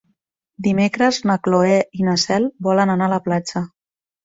Dimecres na Cloè i na Cel volen anar a la platja.